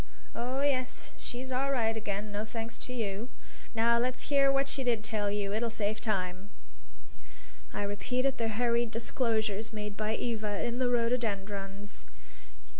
Oh, yes, she's all right again; no thanks to you. Now let's hear what she did tell you. It'll save time." I repeated the hurried disclosures made by Eva in the rhododendrons.